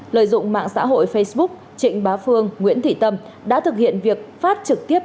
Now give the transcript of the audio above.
lợi dụng mạng xã hội facebook trịnh bá phương nguyễn thị tâm đã thực hiện việc phát trực tiếp